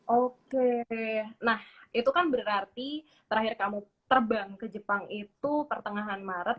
oke nah itu kan berarti terakhir kamu terbang ke jepang itu pertengahan maret